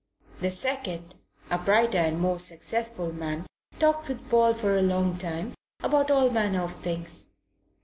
The second, a brighter and more successful man, talked with Paul for a long time about all manner of things.